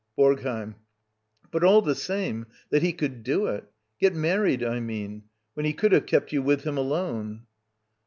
BoRGHEiM. But, all the same — that he could ^ydo it ! Get married, I mean — when he could have kept you with him, alone!